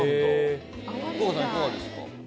福岡さん、いかがですか。